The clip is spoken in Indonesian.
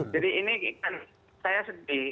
jadi ini kan saya sedih